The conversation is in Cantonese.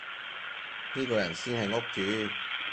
呢個人先係屋主